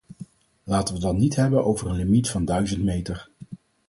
Laten we het dan niet hebben over een limiet van duizend meter.